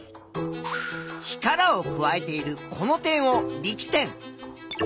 力を加えているこの点を「力点」。